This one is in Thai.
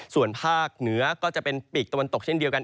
ส่วนภาคเหนือก็จะเป็นปีกตะวันตกเช่นเดียวกัน